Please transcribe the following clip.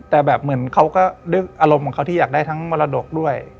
แต่แบบเหมือนเขาก็นึกอารมณ์ของเขาที่อยากได้ทั้งมรดกด้วย